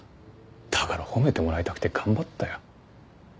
だから褒めてもらいたくて頑張ったよ。